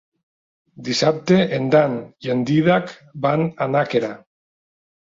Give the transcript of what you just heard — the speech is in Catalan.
Dissabte en Dan i en Dídac van a Nàquera.